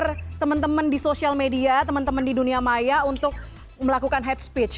kayaknya trigger temen temen di sosial media temen temen di dunia maya untuk melakukan hate speech